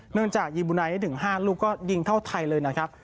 เนื่องจากยี่บูนัยได้ถึง๕ลูกก็ยิงเท่าไทยเลยนะครับ